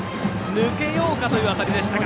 抜けようかという当たりでした。